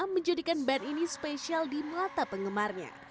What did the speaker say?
menjadikan band ini spesial di mata penggemarnya